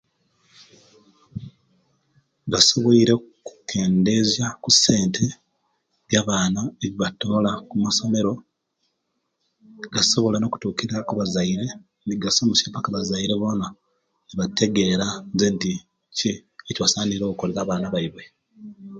Gasobweire okukendeezya kussente jabaana ejebatoola kumasomero; negasobola okutuukirirya ku abazaire negasomesia paka abazaire bona nebategeera nzenti ki ekibasaanire okukolera abaana baawe.